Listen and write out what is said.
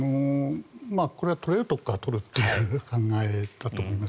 これは取れるところから取るという考えだと思います。